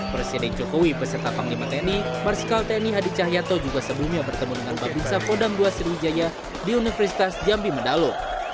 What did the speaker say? presiden jokowi beserta panglima tni marsikal tni hadi cahyato juga sebelumnya bertemu dengan babinsa kodam ii sriwijaya di universitas jambi medalu